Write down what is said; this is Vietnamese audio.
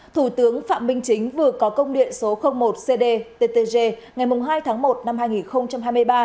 thủ tướng phạm minh chính vừa có công điện số một cdttg ngày hai tháng một năm hai nghìn hai mươi ba